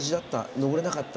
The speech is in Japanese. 登れなかった。